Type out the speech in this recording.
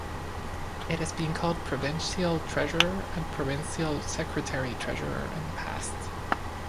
It has been called Provincial Treasurer and Provincial Secretary-Treasurer in the past.